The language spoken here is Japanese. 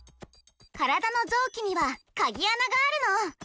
カラダのぞうきにはカギあながあるの！